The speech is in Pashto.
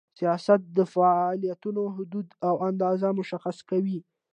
سیاست د فعالیتونو حدود او اندازه مشخص کوي.